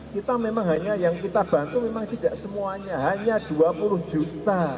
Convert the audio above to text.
kita memang hanya yang kita bantu memang tidak semuanya hanya dua puluh juta